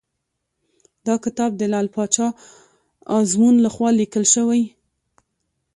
دا کتاب د لعل پاچا ازمون لخوا لیکل شوی .